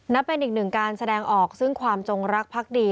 เป็นอีกหนึ่งการแสดงออกซึ่งความจงรักพักดี